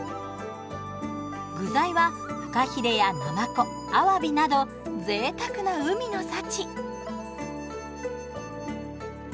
具材はフカヒレやナマコあわびなどぜいたくな海の幸。